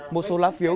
một số lá phiếu